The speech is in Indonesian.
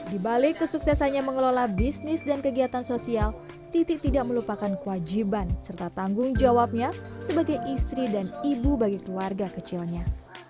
di balik kesuksesannya mengelola bisnis dan kegiatan sosial titi tidak melupakan kewajiban serta tanggung jawabnya sebagai istri dan ibu bagi keluarga kecilnya